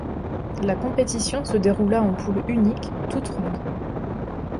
La compétition se déroula en poule unique, toutes rondes.